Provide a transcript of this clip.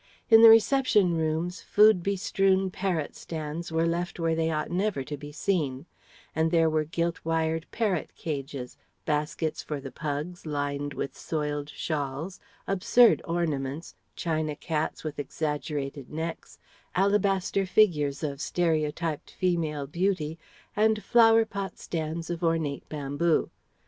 In the reception rooms food bestrewn parrot stands were left where they ought never to be seen; and there were gilt wired parrot cages; baskets for the pugs lined with soiled shawls; absurd ornaments, china cats with exaggerated necks, alabaster figures of stereotyped female beauty and flowerpot stands of ornate bamboo.